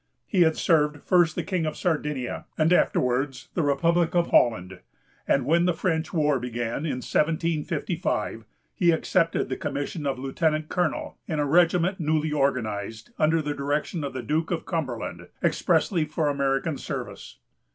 He had served first the King of Sardinia, and afterwards the republic of Holland; and when the French war began in 1755, he accepted the commission of lieutenant colonel, in a regiment newly organized, under the direction of the Duke of Cumberland, expressly for American service.